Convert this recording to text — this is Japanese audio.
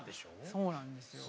そうなんですよ。